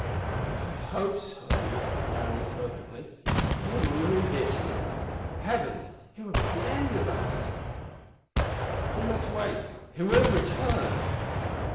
"I hope so," whispered Larry fervently. "We are marooned here, Tina! Heavens, it would be the end of us!" "We must wait. He will return."